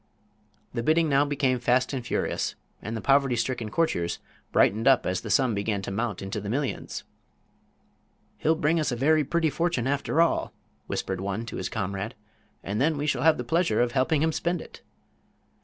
The bidding now became fast and furious, and the poverty stricken courtiers brightened up as the sum began to mount into the millions. "He'll bring us a very pretty fortune, after all," whispered one to his comrade, "and then we shall have the pleasure of helping him spend it."